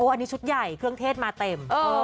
อันนี้ชุดใหญ่เครื่องเทศมาเต็ม